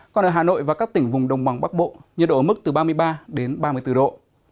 còn ở hà nội và các tỉnh vùng đồng bằng bắc bộ nhiệt độ ở mức từ ba mươi ba đến ba mươi bốn độ